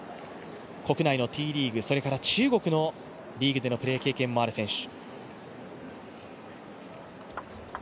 国内のＴリーグ、それから中国のリーグでも経験がある選手。